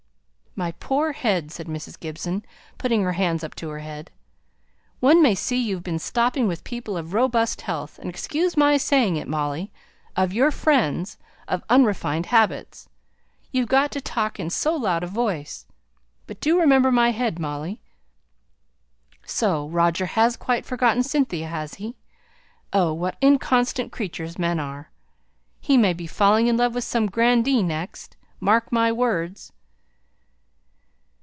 "My poor head!" said Mrs. Gibson, putting her hands up to her head. "One may see you've been stopping with people of robust health, and excuse my saying it, Molly, of your friends of unrefined habits, you've got to talk in so loud a voice. But do remember my head, Molly. So Roger has quite forgotten Cynthia, has he? Oh! what inconstant creatures men are! He will be falling in love with some grandee next, mark my words!